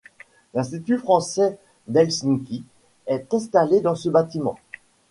L'Institut français d'Helsinki est installé dans ce bâtiment.